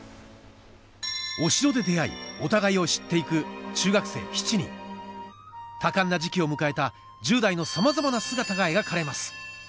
お城で出会いお互いを知って行く多感な時期を迎えた十代のさまざまな姿が描かれます